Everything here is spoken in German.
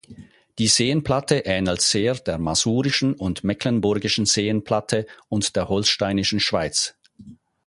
Die Seenplatte ähnelt sehr der Masurischen und Mecklenburgischen Seenplatte und der Holsteinischen Schweiz.